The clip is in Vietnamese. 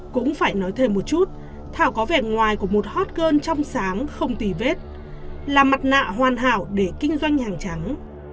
cũng phải nói thêm một chút thảo có vẻ ngoài của một hot girl trong sáng không tùy vết là mặt nạ hoàn hảo để kinh doanh hàng trắng